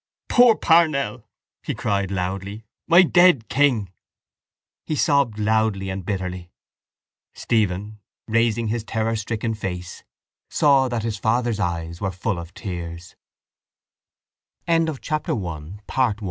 —Poor Parnell! he cried loudly. My dead king! He sobbed loudly and bitterly. Stephen, raising his terrorstricken face, saw that his father's eyes were full of tears. The fellows talked together in little groups.